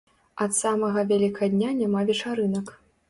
Ад самага вялікадня няма вечарынак.